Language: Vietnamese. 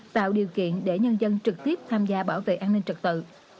tạo điều kiện để nhân dân trực tiếp tham gia bảo vệ an ninh trật tự